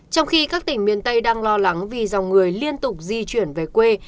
trong khi các tỉnh miền tây đang lo lắng vì dòng người liên tục di chuyển về quê